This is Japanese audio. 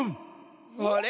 あれ？